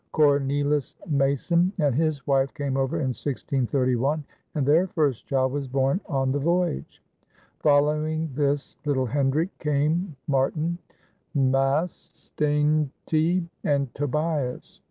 Cornelis Maasen and his wife came over in 1631, and their first child was born on the voyage. Following this little Hendrick came Martin, Maas, Steyntje, and Tobias.